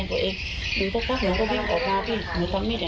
หนูก็วิ่งออกมาดึงหนูที่ปั๊กไม่มีใครเลย